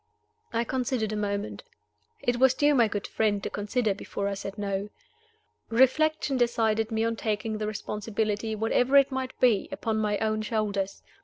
I considered a moment. It was due to my good friend to consider before I said No. Reflection decided me on taking the responsibility, whatever it might be, upon my own shoulders.